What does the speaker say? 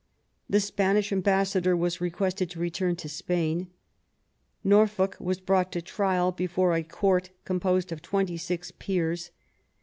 The Spanish am bassador was requested to return to Spain. Norfolk was brought to trial before a Court composed of twenty six peers.